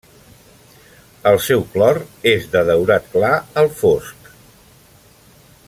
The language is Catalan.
El seu clor és de daurat clar al fosc.